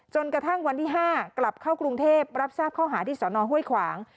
จนกระทั่งวันที่๕กลับเข้ากรุงเทพรับทราบข้อหาที่สนห้วยขวาง